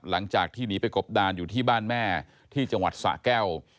หลังจากที่หนีไปกบดานอยู่ที่บ้านแม่ที่จังหวัดสะแก้ว